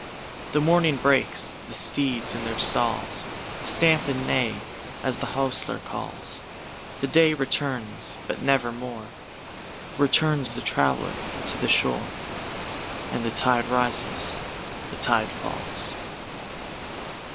The morning breaks; the steeds in their stallsStamp and neigh, as the hostler calls; The day returns, but nevermoreReturns the traveller to the shore, And the tide rises, the tide falls.